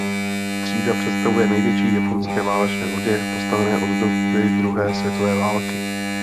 Třída představuje největší japonské válečné lodě postavené od doby druhé světové války.